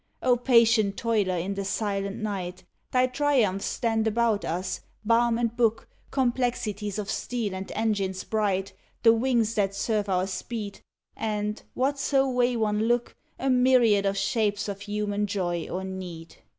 O patient toiler in the silent Night ! Thy triumphs stand about us, balm and book, Complexities of steel and engines bright, The wings that serve our speed, And, whatso way one look, A myriad of shapes of human joy or need.